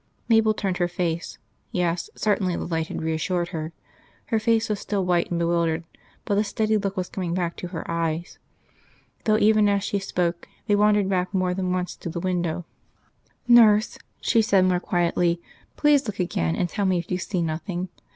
Mabel turned her face.... Yes, certainly the light had reassured her. Her face was still white and bewildered, but the steady look was coming back to her eyes, though, even as she spoke, they wandered back more than once to the window. "Nurse," she said more quietly, "please look again and tell me if you see nothing.